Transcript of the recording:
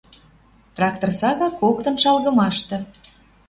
Трактор сага коктын шалгымашты